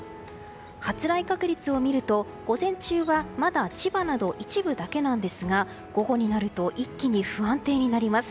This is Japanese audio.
発雷確率を見ると午前中はまだ千葉など一部だけなんですが午後になると一気に不安定になります。